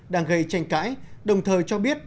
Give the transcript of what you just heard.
đang gây tranh cãi đồng thời cho biết